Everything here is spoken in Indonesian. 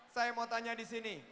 saya mau tanya disini